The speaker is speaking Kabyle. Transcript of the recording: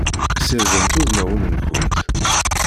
Sirdemt udmawen-nkent!